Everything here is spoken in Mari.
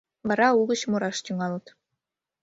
Вара угыч мураш тӱҥалыт.